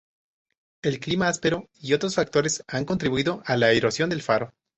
El clima áspero y otros factores han contribuido a la erosión del faro.